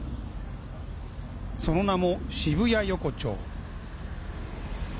その名も渋谷横町。